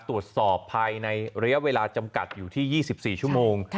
ตรวจสอบภายในระยะเวลาจำกัดอยู่ที่๒๔ชั่วโมง